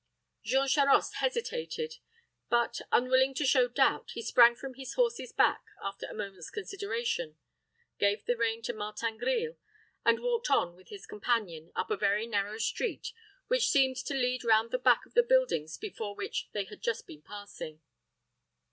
Jean Charost hesitated; but, unwilling to show doubt, he sprang from his horse's back, after a moment's consideration, gave the rein to Martin Grille, and walked on with his companion up a very narrow street, which seemed to lead round the back of the buildings before which they had just been passing.